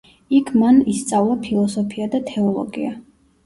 იქ მან ისწავლა ფილოსოფია და თეოლოგია.